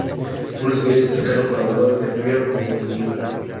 Fue un estudiante y cercano colaborador de Pierre Bourdieu.